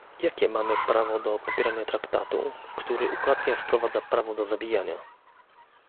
Jakie mamy prawo do popierania Traktatu, który ukradkiem wprowadza prawo do zabijania?